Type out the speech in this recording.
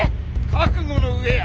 覚悟の上や。